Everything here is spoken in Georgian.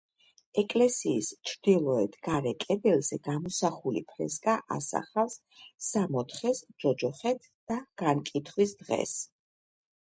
ეკლესიის ჩრდილოეთ გარე კედელზე გამოსახული ფრესკა ასახავს: სამოთხეს, ჯოჯოხეთს და განკითხვის დღეს.